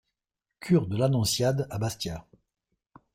Qur de l'Annonciade à Bastia